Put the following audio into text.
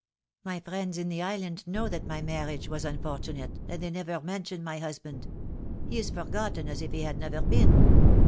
"My friends in the island know that my marriage was unfortunate, and they never mention my husband. He is forgotten as if he had never been.